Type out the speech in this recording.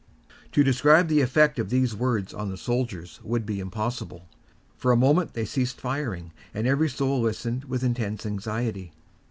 To describe the effect of these words upon the soldiers would be impossible. For a moment they ceased firing, and every soul listened with intense anxiety.